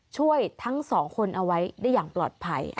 ช่วยทั้งสองคนเอาไว้ได้อย่างปลอดภัย